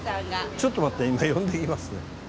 ちょっと待って今呼んできますね。